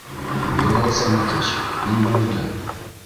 Билал Саматович, ни булды?